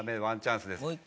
ワンチャンスです。